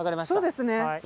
そうですね。